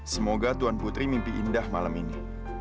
semoga tuan putri mimpi indah malam ini